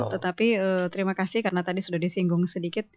tetapi terima kasih karena tadi sudah disinggung sedikit